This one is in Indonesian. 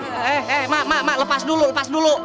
eh eh mah mah mah lepas dulu lepas dulu